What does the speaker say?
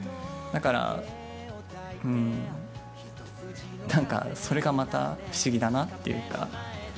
だからなんかそれがまた不思議だなっていうか。